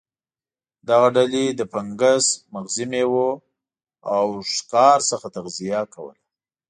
دغه ډلې له فنګس، مغزي میوو او ښکار څخه تغذیه کوله.